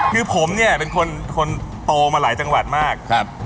คือผมเนี่ยเป็นคนโตมาหลายจังหวัดมากครับ